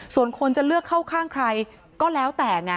ส่วนคนจะเลือกเข้าข้างใครก็แล้วแต่ไง